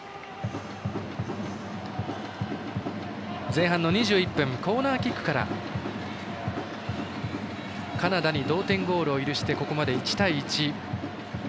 前半の２１分コーナーキックからカナダに同点ゴールを許してここまで１対１。